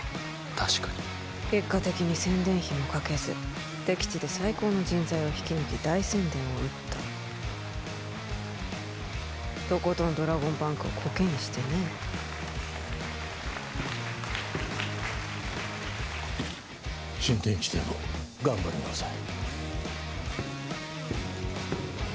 確かに結果的に宣伝費もかけず敵地で最高の人材を引き抜き大宣伝を打ったとことんドラゴンバンクをコケにしてね新天地でも頑張りなさい